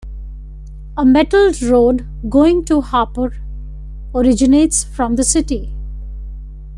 A metalled road, going to Hapur, originates from the city.